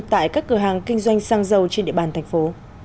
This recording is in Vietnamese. tại các cửa hàng kinh doanh xăng dầu trên địa bàn thành phố